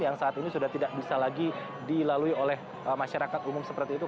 yang saat ini sudah tidak bisa lagi dilalui oleh masyarakat umum seperti itu